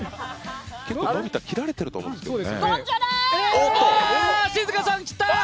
のび太切られてると思うんですけどね。